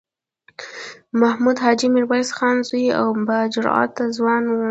محمود حاجي میرویس خان زوی او با جرئته ځوان و.